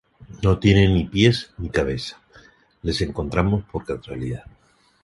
no tiene ni pies ni cabeza. les encontramos por casualidad.